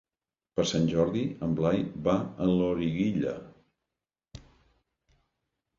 Per Sant Jordi en Blai va a Loriguilla.